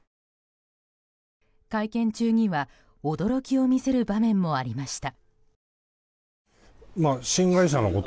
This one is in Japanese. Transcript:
会見中には驚きを見せる場面もありました。